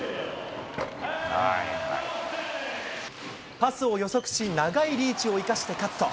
パスを予測し、長いリーチを生かしてカット。